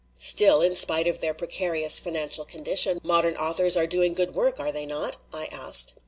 "Still, in spite of their precarious financial con dition, modern authors are doing good work, are they not?" I asked.